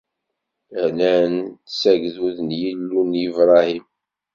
Rnan s agdud n Yillu n Yebrahim.